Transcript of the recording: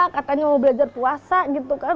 katanya mau belajar puasa gitu kan